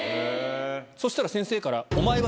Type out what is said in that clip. そしたら先生から。